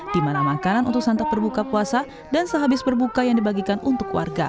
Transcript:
di mana makanan untuk santap berbuka puasa dan sehabis berbuka yang dibagikan untuk warga